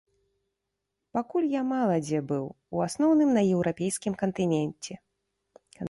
Пакуль я мала дзе быў, у асноўным на еўрапейскім кантыненце.